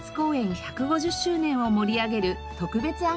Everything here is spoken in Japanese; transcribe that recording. １５０周年を盛り上げる特別アンバサダーです。